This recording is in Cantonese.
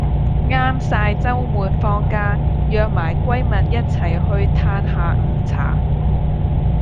啱晒週末放假約埋閨密一齊去歎下午茶